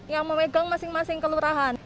yang memegang masing masing kelurahan